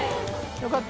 よかった。